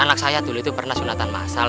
anak saya dulu itu pernah sunatan masal